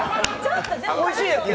おいしいですよ。